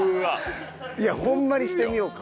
いやホンマにしてみようか。